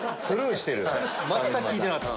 全く聞いてなかった。